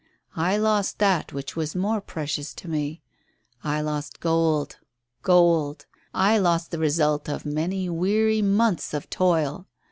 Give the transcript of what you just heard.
I lost that which was more precious to me. I lost gold gold! I lost the result of many weary months of toil.